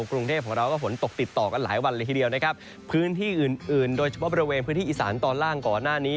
กรุงเทพของเราก็ฝนตกติดต่อกันหลายวันเลยทีเดียวนะครับพื้นที่อื่นอื่นโดยเฉพาะบริเวณพื้นที่อีสานตอนล่างก่อนหน้านี้